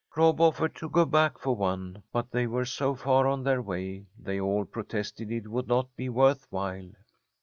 Rob offered to go back for one, but they were so far on their way they all protested it would not be worth while.